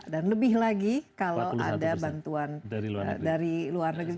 dan lebih lagi kalau ada bantuan dari luar negeri